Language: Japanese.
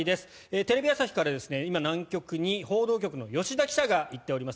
テレビ朝日から今、南極に報道局の吉田記者が行っております。